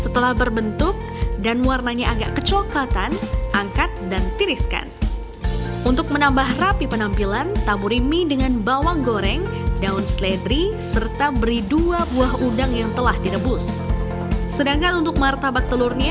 tergolong kuliner sehat karena rempah rempahnya sangat banyak dan bermanfaat bagi tubuh mie ini